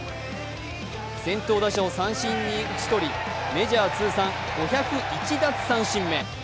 先頭打者を三振に打ち取り、メジャー通算５０１奪三振目。